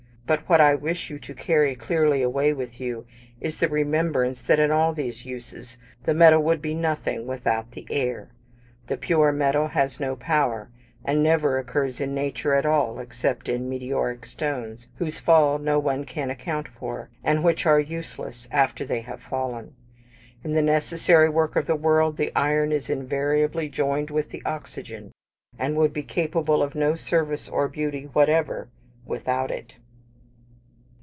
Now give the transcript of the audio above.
But what I wish you to carry clearly away with you is the remembrance that in all these uses the metal would be nothing without the air. The pure metal has no power, and never occurs in nature at all except in meteoric stones, whose fall no one can account for, and which are useless after they have fallen: in the necessary work of the world, the iron is invariably joined with the oxygen, and would be capable of no service or beauty whatever without it.